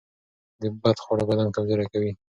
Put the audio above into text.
بد خواړه بدن کمزوری کوي.